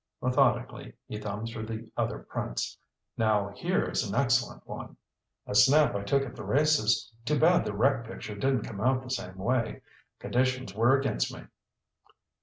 Methodically, he thumbed through the other prints. "Now here is an excellent one!" "A snap I took at the races. Too bad the wreck picture didn't come out the same way. Conditions were against me."